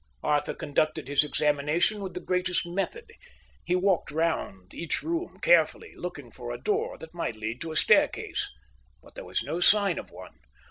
Arthur conducted his examination with the greatest method; he walked round each room carefully, looking for a door that might lead to a staircase; but there was no sign of one.